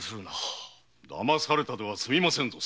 だまされたでは済みませんぞ相良殿！